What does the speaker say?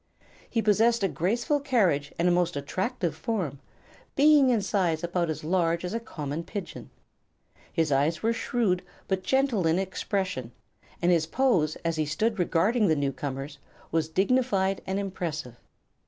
He possessed a graceful carriage and a most attractive form, being in size about as large as a common pigeon. His eyes were shrewd but gentle in expression and his pose as he stood regarding the newcomers was dignified and impressive.